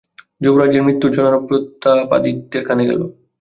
যুবরাজের মৃত্যুর জনরব প্রতাপাদিত্যের কানে গেল।